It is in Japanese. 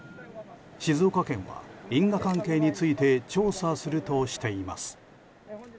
静岡県は因果関係について調査するとしています。